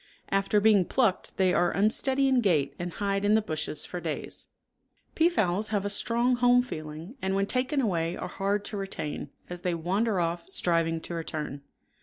After being plucked they are unsteady in gait and hide in the bushes for days. Peafowls have a strong home feeling and when taken away are hard to retain; as they wander off, striving to return.